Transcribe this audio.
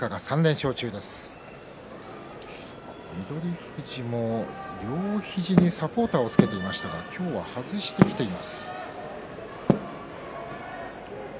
富士も両肘にサポーターをつけていましたが今日は外してきています。